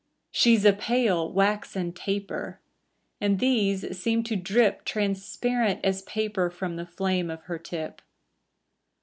• She's a pale, waxen taper; And these seem to drip Transparent as paper From the flame of her tip.